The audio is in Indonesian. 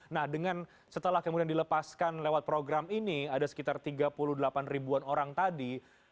nah dengan setelah kemudian dilepaskan lewat program ini ada sekitar tiga puluh delapan ribuan orang tadi